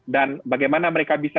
dan bagaimana mereka bisa